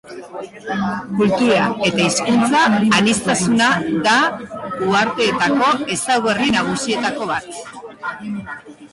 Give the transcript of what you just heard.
Kultura- eta hizkuntza-aniztasuna da uharteetako ezaugarri nagusietako bat.